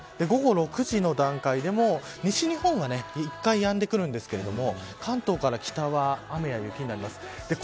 午後６時の段階でも西日本はいったん、やんでくるんですが関東から北は雨や雪になります。